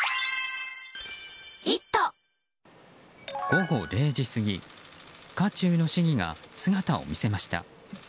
午後０時過ぎ渦中の市議が姿を見せました。